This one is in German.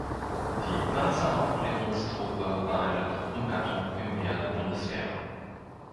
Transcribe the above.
Die Panzeraufklärungstruppe war eine Truppengattung im Heer der Bundeswehr.